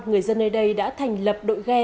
người dân nơi đây đã thành lập đội ghe